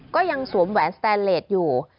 ก็ยังสวมแหวนสแตนเลสอยู่